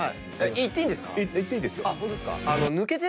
言っていいんですか。